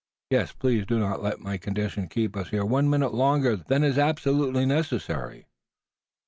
Yes, please do not let my condition keep us here one minute longer than is absolutely necessary."